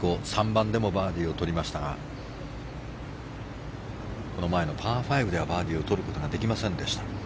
３番でもバーディーをとりましたがこの前のパー５ではバーディーをとることができませんでした。